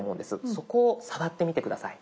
そこを触ってみて下さい。